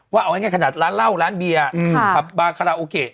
ว่าเอาอย่างงี้ขนาดร้านเหล้าร้านเบียร์บาร์คาราโอเค